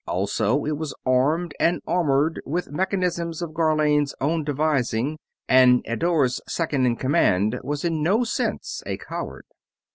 Also, it was armed and armored with mechanisms of Gharlane's own devising; and Eddore's second in command was in no sense a coward.